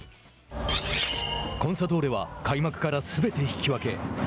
コンサドーレは開幕からすべて引き分け。